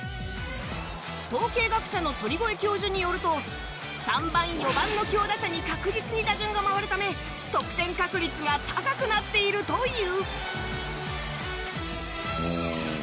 統計学者の鳥越教授によると、３番・４番の強打者に確実に打順が回るため、得点確率が高くなっているという。